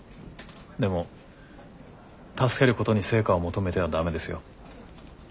でも助けることに成果を求めては駄目ですよ。